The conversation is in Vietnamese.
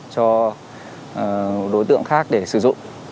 cho đối tượng khác để sử dụng